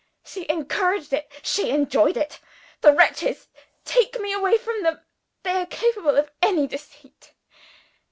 She encouraged it: she enjoyed it. The wretches! take me away from them. They are capable of any deceit.